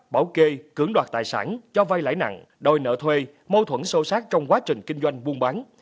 bảo kê cưỡng đoạt tài sản cho vay lãi nặng đòi nợ thuê mâu thuẫn sâu sát trong quá trình kinh doanh buôn bán